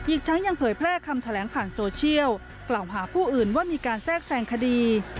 อีกทั้งยังเผยแพร่คำแถลงผ่านโซเชียลกล่าวหาผู้อื่นว่ามีการแทรกแทรงคดี